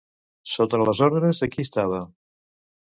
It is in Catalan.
Sota les ordres de qui estava?